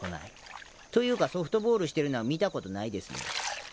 というかソフトボールしてるのは見たことないです。